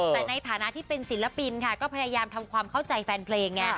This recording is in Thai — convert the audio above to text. แต่ในฐานะที่เป็นศิลปินค่ะก็พยายามทำความเข้าใจแฟนเพลงไง